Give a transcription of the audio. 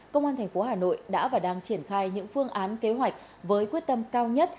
công an thành phố hà nội đã và đang triển khai những phương án kế hoạch với quyết tâm cao nhất